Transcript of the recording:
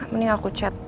mending aku chat